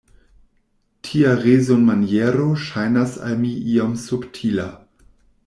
Tia rezonmaniero ŝajnas al mi iom subtila.